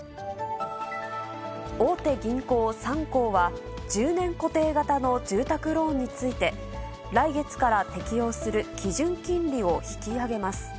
大手銀行３行は、１０年固定型の住宅ローンについて、来月から適用する基準金利を引き上げます。